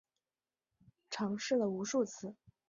尝试了无数次